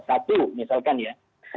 satu misalkan ya